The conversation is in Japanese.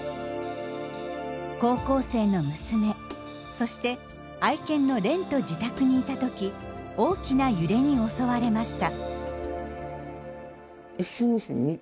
高校生の娘そして愛犬の蓮と自宅にいた時大きな揺れに襲われました。